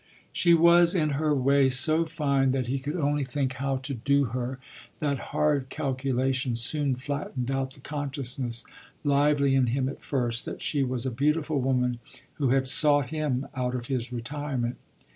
She was in her way so fine that he could only think how to "do" her: that hard calculation soon flattened out the consciousness, lively in him at first, that she was a beautiful woman who had sought him out of his retirement.